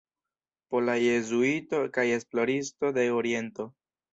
Pola jezuito kaj esploristo de Oriento.